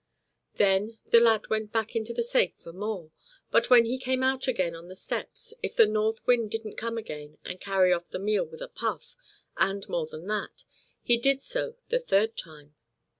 Then the lad went back into the safe for more; but when he came out again on the steps, if the North Wind didn't come again and carry off the meal with a puff; and more than that, he did so the third time.